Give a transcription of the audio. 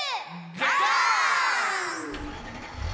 ゴー！